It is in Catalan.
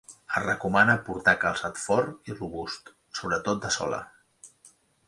Es recomana portar calçat fort i robust, sobretot de sola.